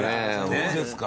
どうですか？